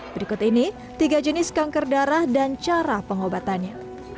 berikut ini tiga jenis kanker darah dan cara pengobatannya